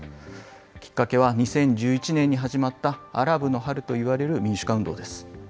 きっかけは２０１１年に始まった、アラブの春といわれる民主化運動です。